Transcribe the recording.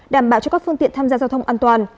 đảm bảo cho các phương tiện tham gia giao thông an toàn